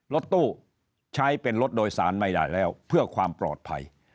รถตู้ใช้เป็นรถโดยสารไม่ได้แล้วเพื่อความปลอดภัย